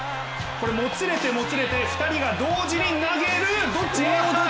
もつれて、もつれて２人が同時に投げるどっち？